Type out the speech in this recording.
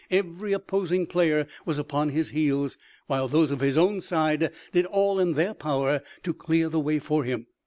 Every opposing player was upon his heels, while those of his own side did all in their power to clear the way for him.